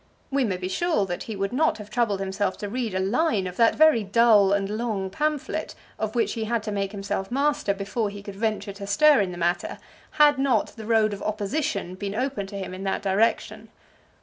We may be sure that he would not have troubled himself to read a line of that very dull and long pamphlet of which he had to make himself master before he could venture to stir in the matter, had not the road of Opposition been open to him in that direction.